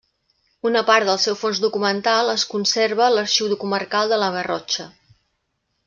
Una part del seu fons documental es conserva a l'Arxiu Comarcal de la Garrotxa.